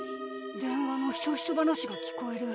電話のひそひそ話が聞こえる。